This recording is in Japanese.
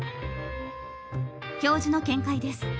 教授の見解です。